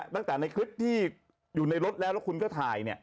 ตั้งแต่ในคลิปที่อยู่ในรถแล้วแล้วคุณก็ถ่าย